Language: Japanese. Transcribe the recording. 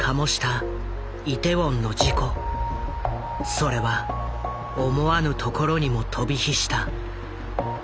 それは思わぬところにも飛び火した。